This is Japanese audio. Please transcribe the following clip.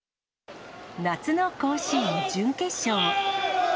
夏の甲子園準決勝。